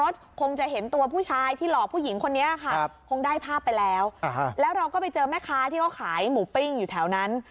ต่อผู้หญิงคนนี้ค่ะคงได้ภาพไปแล้วแล้วเราก็ไปเจอแม่ค้าที่ก็ขายหมูปิ้งอยู่แถวนั้น